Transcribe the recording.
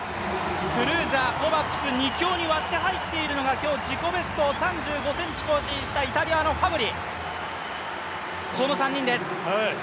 クルーザー、コバクス、２強に割って入っているのが今日自己ベストを３５ｃｍ更新したイタリアのファブリ、この３人です。